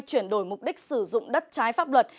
chuyển đổi mục đích sử dụng đất trái pháp luật